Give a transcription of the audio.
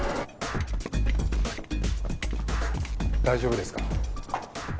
大丈夫ですか？